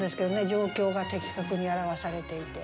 状況が的確に表されていて。